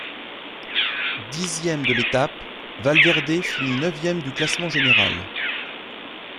Dixième de l'étape, Valverde finit neuvième du classement général.